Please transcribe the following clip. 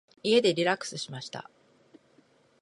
家でリラックスしました。